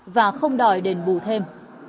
và không đòi đền bù thêm